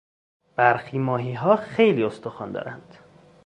برخی ماهیها خیلی استخوان دارند.